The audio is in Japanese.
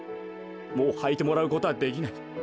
もうはいてもらうことはできない。